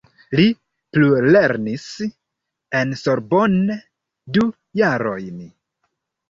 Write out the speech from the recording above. Li plulernis en Sorbonne du jarojn.